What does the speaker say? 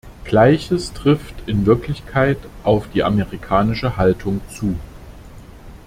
Gleiches trifft in Wirklichkeit auf die amerikanische Haltung zu.